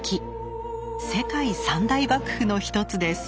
世界三大瀑布の一つです。